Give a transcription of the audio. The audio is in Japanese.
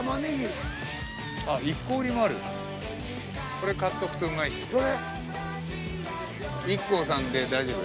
これ買っとくとうまいっす。